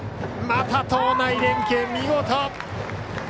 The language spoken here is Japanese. また投内連携、見事。